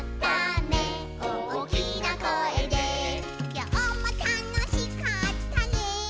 「きょうもたのしかったね」